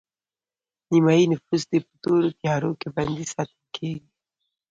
نیمایي نفوس دې په تورو تیارو کې بندي ساتل کیږي